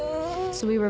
そう。